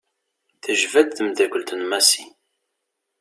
Tejba-d temddakelt n Massi.